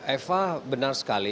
eva benar sekali